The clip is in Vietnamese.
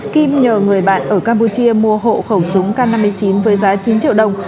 kim nhờ người bạn ở campuchia mua hộ khẩu súng k năm mươi chín với giá chín triệu đồng